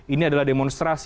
ini adalah demonstrasi